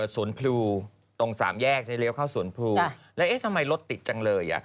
พลูตรงสามแยกจะเลี้ยวเข้าสวนพลูแล้วเอ๊ะทำไมรถติดจังเลยอ่ะ